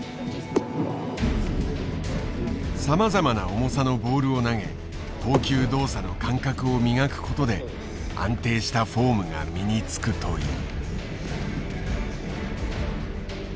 さまざまな重さのボールを投げ投球動作の感覚を磨くことで安定したフォームが身につくという。